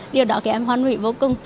điều đó khi em hoan nghỉ vô cùng